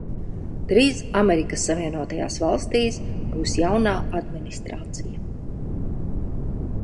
Drīz Amerikas Savienotajās Valstīs būs jaunā administrācija.